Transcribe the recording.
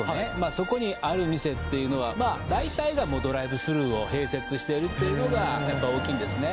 そこにある店っていうのはだいたいがドライブスルーを併設しているっていうのが大きいんですね